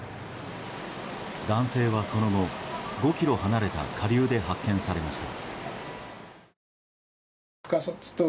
男性は、その後５ｋｍ離れた下流で発見されました。